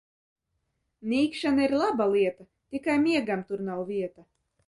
Nīkšana ir laba lieta, tikai miegam tur nav vieta.